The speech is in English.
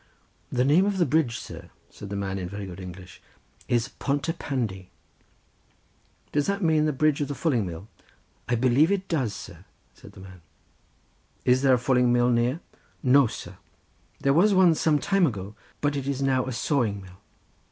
"The name of the bridge, sir," said the man, in very good English, "is Pont y Pandy." "Does not that mean the bridge of the fulling mill?" "I believe it does, sir," said the man. "Is there a fulling mill near?" "No, sir, there was one some time ago, but it is now a sawing mill."